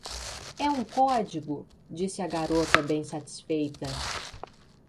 "É um código!”, disse a garota, bem satisfeita